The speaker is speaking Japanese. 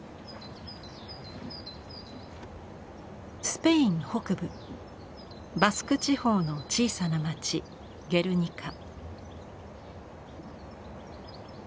スペイン北部バスク地方の小さな街ゲルニカ。